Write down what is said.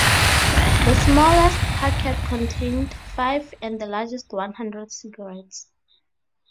The smallest packet contained five and the largest one hundred cigarettes.